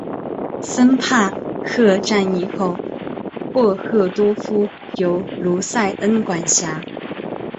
森帕赫战役后霍赫多夫由卢塞恩管辖。